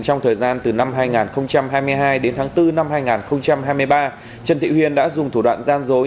trong thời gian từ năm hai nghìn hai mươi hai đến tháng bốn năm hai nghìn hai mươi ba trần thị huyền đã dùng thủ đoạn gian dối